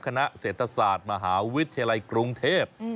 คณะเศรษฐศาสตร์มหาวิทยาลัยกรุงเทพ